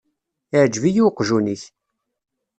Iεgeb-iyi uqjun-ik.